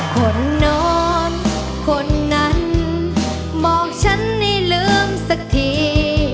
คนนอนคนนั้นมองฉันในลืมสักที